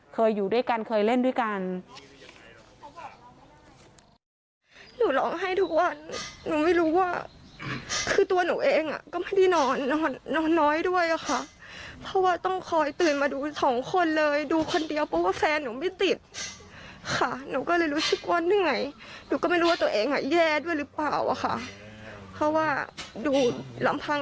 เคยอยู่ด้วยกันเคยเล่นด้วยกัน